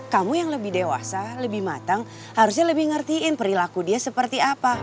kamu yang lebih dewasa lebih matang harusnya lebih ngertiin perilaku dia seperti apa